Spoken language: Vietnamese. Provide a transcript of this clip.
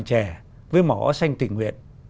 trẻ với mỏ xanh tình nguyện